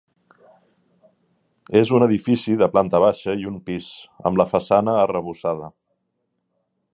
És un edifici de planta baixa i un pis, amb la façana arrebossada.